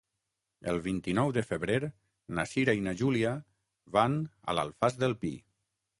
El vint-i-nou de febrer na Cira i na Júlia van a l'Alfàs del Pi.